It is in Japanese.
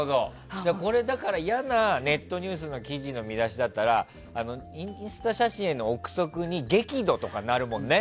これ、嫌なネットニュースの記事の見出しだったらインスタ写真への憶測に激怒とかなるもんね。